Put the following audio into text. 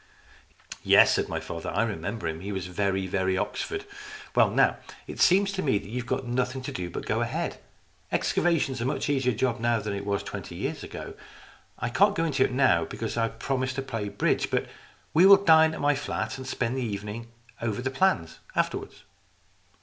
" Yesj" said my father. " I remember him. He was very, very Oxford. \Vell now, it seems 200 STORIES IN GREY to me you've got nothing to do but to go ahead. Ex cavation's a much easier job now than it was twenty years ago. I can't go into it now, because I've promised to play bridge. But we will dine at my flat and spend the evening over the plans afterwards."